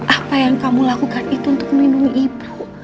apa yang kamu lakukan itu untuk melindungi ibu